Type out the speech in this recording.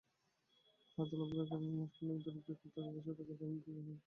হরতাল-অবরোধের কারণে মাস খানেক ধরে বেকার বসে থাকায় এমনিতেই চুলা জ্বলছে না।